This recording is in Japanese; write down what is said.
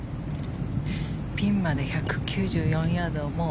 ピンまで１９４ヤード。